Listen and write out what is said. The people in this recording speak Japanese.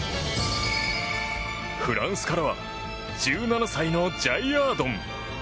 フランスからは１７歳のジャイヤードン。